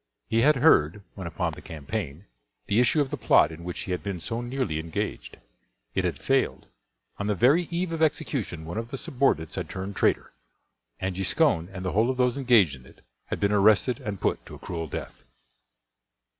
He had heard, when upon the campaign, the issue of the plot in which he had been so nearly engaged. It had failed. On the very eve of execution one of the subordinates had turned traitor, and Giscon and the whole of those engaged in it had been arrested and put to a cruel death.